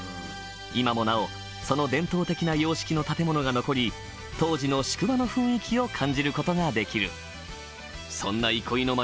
今もなおその伝統的な様式の建物が残り当時の宿場の雰囲気を感じることができるそんな憩いの町